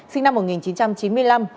sinh năm một nghìn chín trăm chín mươi năm